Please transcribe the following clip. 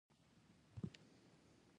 خو تر هغې پورې چې ته رښتيا راته وايې.